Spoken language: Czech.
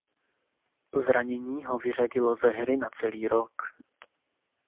Zranění ho vyřadilo ze hry na celý rok.